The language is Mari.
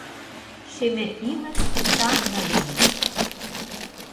Шемер илыш данле лийын.